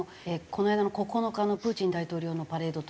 この間の９日のプーチン大統領のパレードというか演説。